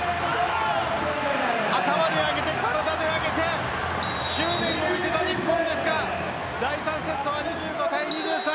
頭で上げて、体で上げて執念を見せた日本ですが第３セットは２５対２３